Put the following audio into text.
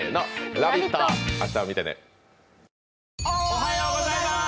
おはようございまーす！